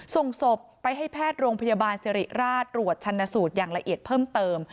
ส่งศพไปให้แพทย์โรงพยาบาลสิริราชตรวจชันสูตรอย่างละเอียดเพิ่มเติม